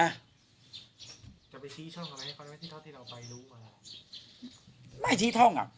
จะไปชี้ช่องอะไรให้คนที่เราไปรู้ว่าไม่ชี้ช่องอ่ะ